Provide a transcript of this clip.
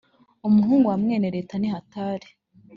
umuhungu wa mwene tela ni tahani